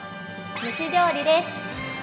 「蒸し料理」です。